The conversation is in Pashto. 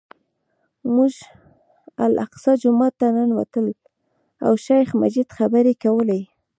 موږ الاقصی جومات ته ننوتلو او شیخ مجید خبرې کولې.